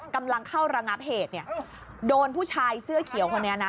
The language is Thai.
กำลังเข้าระงับเหตุเนี่ยโดนผู้ชายเสื้อเขียวคนนี้นะ